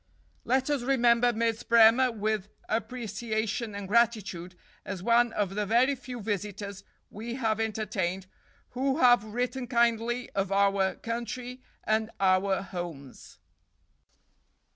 (Let us remember Miss Bremer with appreciation and gratitude, as one of the very few visitors we have entertained who have written kindly of our country and our "Homes.")